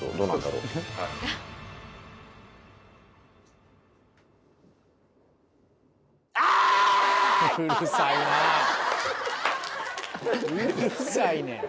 うるさいねん。